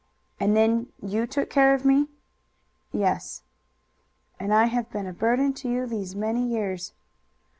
"And then you took care of me?" "Yes." "And I have been a burden to you these many years!"